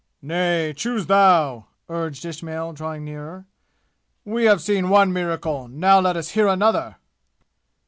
"Nay, choose thou!" urged Ismail, drawing nearer. "We have seen one miracle; now let us hear another!"